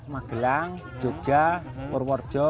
magelang jogja purworejo